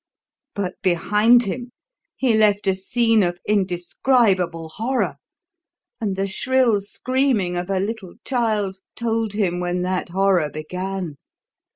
But behind him he left a scene of indescribable horror, and the shrill screaming of a little child told him when that horror began.